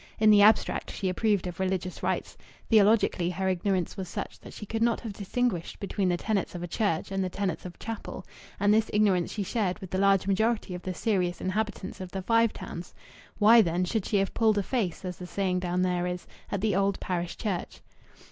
In the abstract she approved of religious rites. Theologically her ignorance was such that she could not have distinguished between the tenets of church and the tenets of chapel, and this ignorance she shared with the large majority of the serious inhabitants of the Five Towns. Why, then, should she have "pulled a face" (as the saying down there is) at the Old Parish Church?